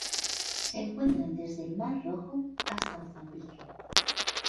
Se encuentran desde el Mar Rojo hasta Mozambique.